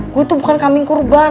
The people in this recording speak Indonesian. gue tuh bukan kambing kurban